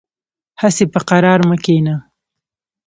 هسې په قرار مه کېنه .